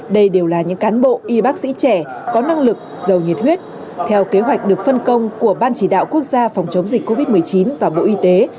đây đều là những cán bộ y bác sĩ trẻ có năng lực giàu nhiệt huyết theo kế hoạch được phân công của ban chỉ đạo quốc gia phòng chống dịch covid một mươi chín và bộ y tế